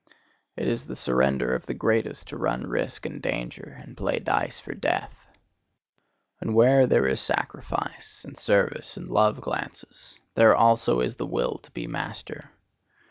It is the surrender of the greatest to run risk and danger, and play dice for death. And where there is sacrifice and service and love glances, there also is the will to be master.